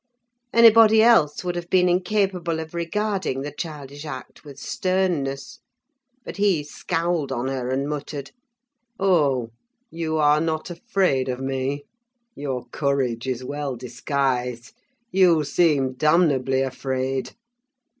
Anybody else would have been incapable of regarding the childish act with sternness, but he scowled on her and muttered—"Oh! you are not afraid of me? Your courage is well disguised: you seem damnably afraid!"